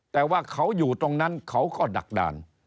แต่ว่าเขาอยู่ตรงนั้นเขาก็ดักด่าน